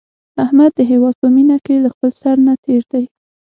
احمد د هیواد په مینه کې له خپل سر نه تېر دی.